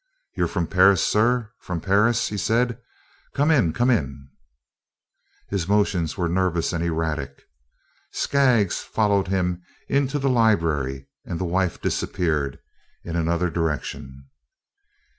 "You 're from Paris, sir, from Paris?" he said. "Come in, come in." His motions were nervous and erratic. Skaggs followed him into the library, and the wife disappeared in another direction.